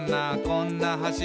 こんな橋」